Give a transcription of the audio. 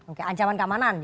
oke ancaman keamanan